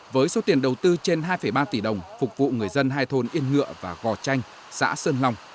với số tiền đầu tư trên hai ba tỷ đồng phục vụ người dân hai thôn yên ngựa và gò chanh xã sơn long